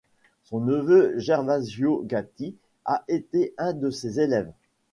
Son neveu Gervasio Gatti a été un de ses élèves.